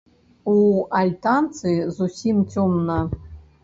У альтанцы зусім цёмна.